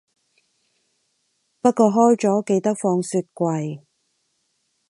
不過開咗記得放雪櫃